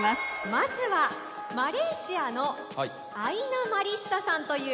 まずはマレーシアのアイナ・マリッサさんという。